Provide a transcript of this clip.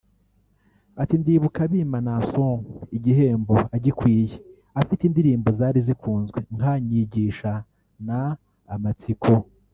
Ati “Ndibuka bima Naason igihembo agikwiye afite indirimbo zari zikunzwe nka Nyigisha na Amatsiko